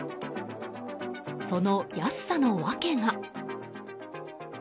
その安さの訳が。